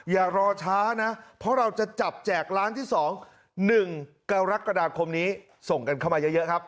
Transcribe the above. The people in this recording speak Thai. อย่ารอช้านะเพราะเราจะจับแจกร้านที่๒๑กรกฎาคมนี้ส่งกันเข้ามาเยอะครับ